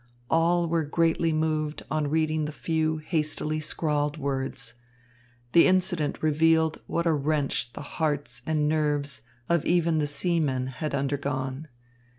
All were greatly moved on reading the few hastily scrawled words. The incident revealed what a wrench the hearts and nerves of even the seamen had undergone.